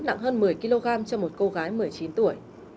nặng hơn một mươi kg cho một cô gái một mươi chín tuổi